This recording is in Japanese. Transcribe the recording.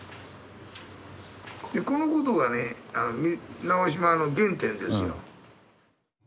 このことがね直島の原点ですよ。